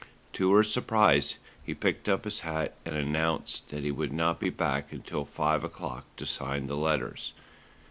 To her surprise he picked up his hat and announced that he would not be back until five o'clock to sign the letters.